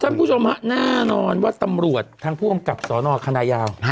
คุณผู้ชมฮะแน่นอนว่าตำรวจทางผู้กำกับสนคณะยาว